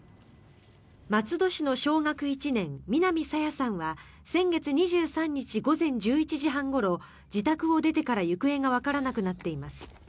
松戸市の小学１年南朝芽さんは先月２３日午前１１時半ごろ自宅を出てから行方がわからなくなっています。